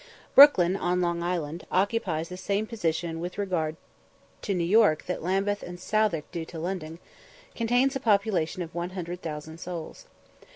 Brooklyn, on Long Island, which occupies the same position with regard to New York that Lambeth and Southwark do to London, contains a population of 100,000 souls.